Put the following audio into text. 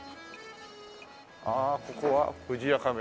ああここは「フジヤカメラ」。